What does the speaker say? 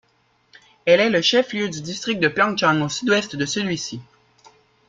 Elle est le chef-lieu du district de Pyeongchang, au sud-ouest de celui-ci.